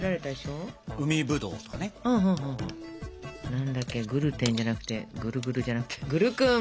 何だっけグルテンじゃなくてグルグルじゃなくてグルクン。